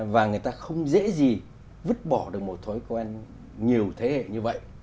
và người ta không dễ gì vứt bỏ được một thói quen nhiều thế hệ như vậy